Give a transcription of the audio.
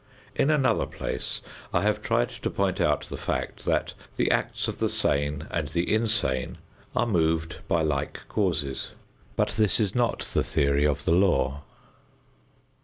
In another place I have tried to point out the fact that the acts of the sane and the insane are moved by like causes, but this is not the theory of the law.